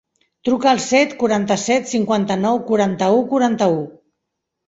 Truca al set, quaranta-set, cinquanta-nou, quaranta-u, quaranta-u.